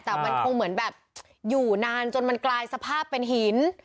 แต่มันคงเหมือนแบบอยู่นานจนมันกลายสภาพเป็นหิน